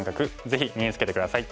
ぜひ身につけて下さい。